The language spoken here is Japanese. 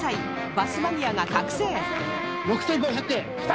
バスマニアが覚醒きた！